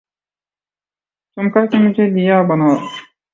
چمکا کے مجھے دیا بنا یا